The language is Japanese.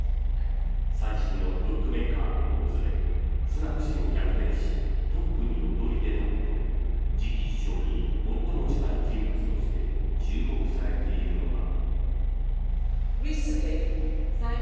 最新のブックメーカーのオッズでスナク氏を逆転しトップに躍り出たことで次期首相に最も近い人物として注目されているのだ。